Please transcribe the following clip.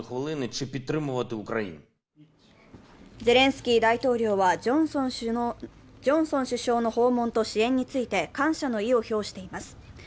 ゼレンスキー大統領はジョンソン首相の訪問と支援について感謝の意を表しています。